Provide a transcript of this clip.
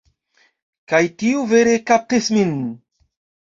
Kaj tiu vere kaptis min.